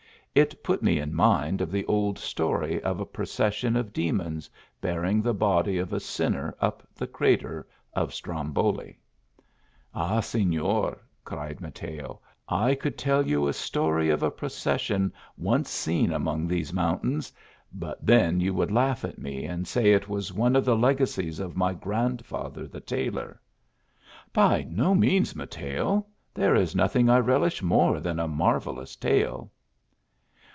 It put me in mind of the old story of a procession of demons, bearing the body of a sinner up the crater of Stromboli. " Ah, Senor," cried Mateo, " I could tell ynu. a story of a procession once seen among these mount lins but then you would laugh at me, and say it was one of the legacies of my grandfather the tailor." "By no means, Mateo. There is nothing I relish more than a marvellous tale."